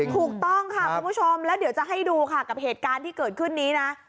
ถูกต้องค่ะคุณผู้ชมแล้วเดี๋ยวจะให้ดูค่ะกับเหตุการณ์ที่เกิดขึ้นนี้นะ